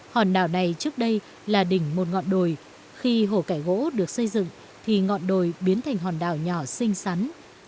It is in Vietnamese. hòn đảo này trước đây là đỉnh một ngọn đồi khi hồ cải gỗ được xây dựng thì ngọn đồi biến thành hòn đảo nhỏ xinh xắn